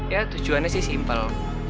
ya tujuannya sih simpel